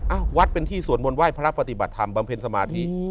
วัดเป็นที่สวดมนต์ไห้พระปฏิบัติธรรมบำเพ็ญสมาธิ